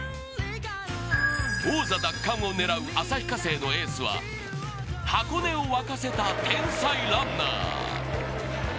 王座奪還を狙う旭化成のエースは箱根を沸かせた天才ランナー。